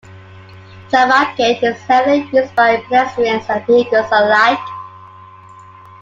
Jaffa Gate is heavily used by pedestrians and vehicles alike.